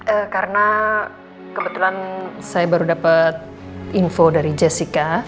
ehm karena kebetulan saya baru dapet info dari jessica